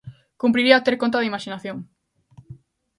Cumpriría ter conta da imaxinación.